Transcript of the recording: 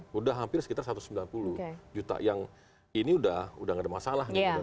sudah hampir sekitar satu ratus sembilan puluh juta yang ini sudah tidak ada masalah